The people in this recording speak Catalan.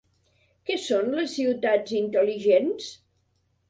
Què són les ciutats intel·ligents?